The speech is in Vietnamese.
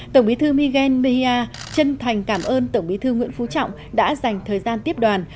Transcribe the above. tổng bí thư miguel mia chân thành cảm ơn tổng bí thư nguyễn phú trọng đã dành thời gian tiếp đoàn